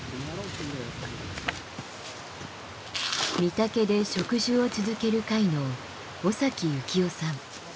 金峰で植樹を続ける会の尾行雄さん。